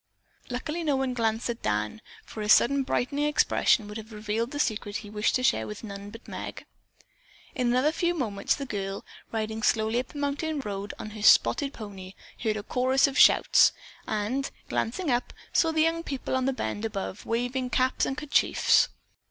Luckily no one glanced at Dan, for his sudden brightening expression would have revealed the secret he wished to share with none but Meg. In another few moments the girl, riding slowly up the mountain road on her spotted pony, heard a chorus of shouts, and glancing up, saw the young people on the bend above waving caps and kerchiefs.